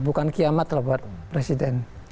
bukan kiamat lah buat presiden